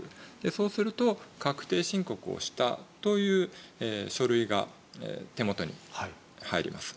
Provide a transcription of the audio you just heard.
そうすると確定申告をしたという書類が手元に入ります。